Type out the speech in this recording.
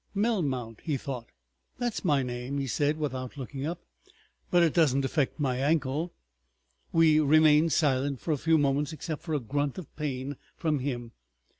"Melmount!" He thought. "That's my name," he said, without looking up. ... "But it doesn't affect my ankle." We remained silent for few moments except for a grunt of pain from him.